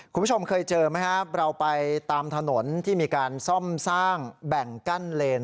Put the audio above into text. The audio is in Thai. คุณผู้ชมเคยเจอไหมครับเราไปตามถนนที่มีการซ่อมสร้างแบ่งกั้นเลน